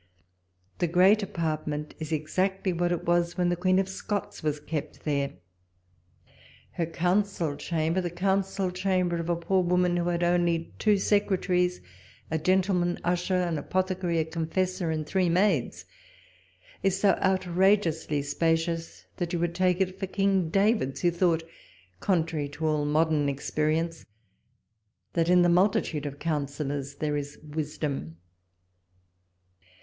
The great apart ment is exactly what it was when the Queen of Scots was kept there. Her council chamber, the council chamber of a poor woman, who had only two secretaries, a gentleman usher, an apothe cary, a confessor, and three maids, is so out rageously spacious, that you would take it for King David's, who thought, contrary to all modern experience, that in the multitude of counsellors there is wisdom.